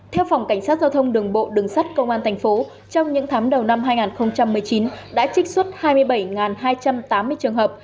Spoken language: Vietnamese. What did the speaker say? theo phòng cảnh sát giao thông đường bộ đường sắt công an tp trong những tháng đầu năm hai nghìn một mươi chín đã trích xuất hai mươi bảy hai trăm tám mươi trường hợp